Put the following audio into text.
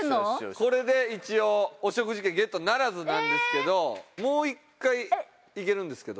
これで一応お食事券ゲットならずなんですけどもう１回いけるんですけど。